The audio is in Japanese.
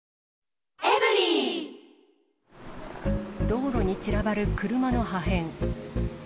道路に散らばる車の破片。